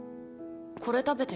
これ食べて。